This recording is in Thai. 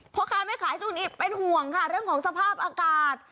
พ่อค้าแม่ขายช่วงนี้เป็นห่วงค่ะเรื่องของสภาพอากาศ